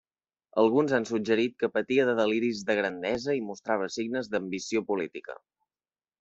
Alguns han suggerit que patia de deliris de grandesa i mostrava signes d'ambició política.